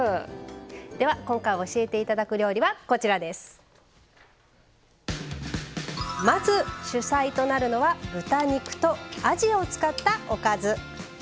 今回教えていただく料理はまず、主菜となるのは豚肉とあじを使ったおかず。